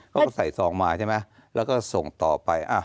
เขาก็ใส่ซองมาใช่ไหมแล้วก็ส่งต่อไป